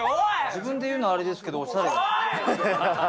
自分で言うのあれですけど、おしゃれ。